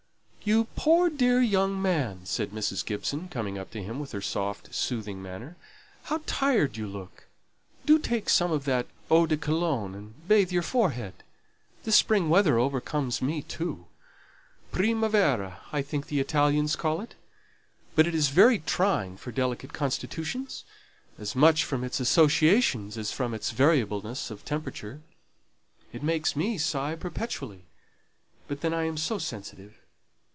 "You poor dear young man," said Mrs. Gibson, coming up to him with her soft, soothing manner; "how tired you look! Do take some of that eau de Cologne and bathe your forehead. This spring weather overcomes me too. 'Primavera' I think the Italians call it. But it is very trying for delicate constitutions, as much from its associations as from its variableness of temperature. It makes me sigh perpetually; but then I am so sensitive.